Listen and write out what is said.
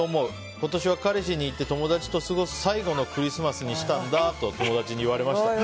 今年は彼氏に言って友達と過ごす最後のクリスマスにしたんだと友達に言われました。